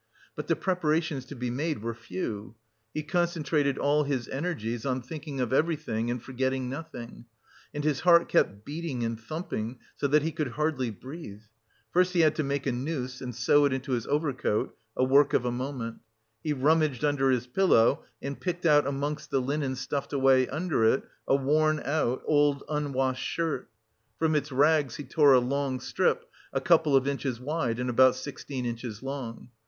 But the preparations to be made were few. He concentrated all his energies on thinking of everything and forgetting nothing; and his heart kept beating and thumping so that he could hardly breathe. First he had to make a noose and sew it into his overcoat a work of a moment. He rummaged under his pillow and picked out amongst the linen stuffed away under it, a worn out, old unwashed shirt. From its rags he tore a long strip, a couple of inches wide and about sixteen inches long.